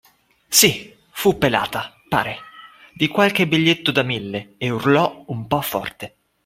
Sì, fu pelata, pare, di qualche biglietto da mille e urlò un po' forte.